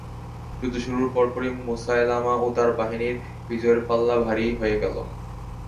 যুদ্ধ শুরুর পরপরই মুসায়লামা ও তার বাহিনীর বিজয়ের পাল্লা ভারী হয়ে গেল।